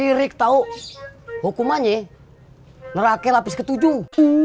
si rik tau hukumannya neraka lapis ketujuh